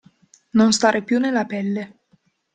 Non stare più nella pelle.